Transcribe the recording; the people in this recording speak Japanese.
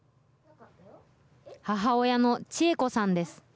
母親の千恵子さんです。